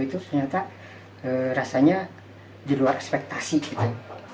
itu ternyata rasanya di luar ekspektasi kita